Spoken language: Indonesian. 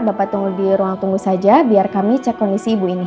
bapak tunggu di ruang tunggu saja biar kami cek kondisi ibu ini